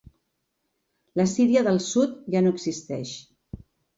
La Síria del Sud ja no existeix.